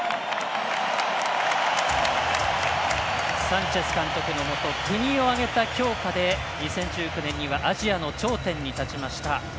サンチェス監督のもと国を挙げた強化で２０１９年にはアジアの頂点に立ちました。